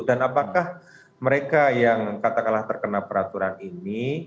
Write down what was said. dan apakah mereka yang katakanlah terkena peraturan ini